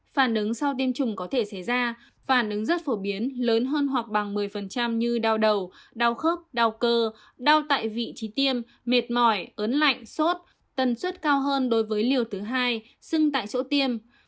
phản ứng sau tiêm chủng có thể xảy ra phản ứng rất phổ biến lớn hơn hoặc bằng một mươi như đau đầu đau khớp đau cơ đau tại vị trí tiêm mệt mỏi ớn lạnh sốt tần suất cao hơn đối với liều thứ hai sưng tại chỗ tiêm